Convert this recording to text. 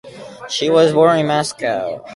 She was born in Moscow.